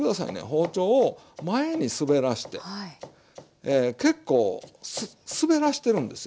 包丁を前に滑らして結構滑らしてるんですよ。